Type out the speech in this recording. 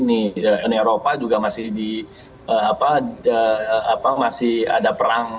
dan indonesia dan eropa itu juga masih di masih ada perang